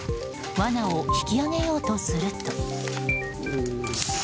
罠を引き上げようとすると。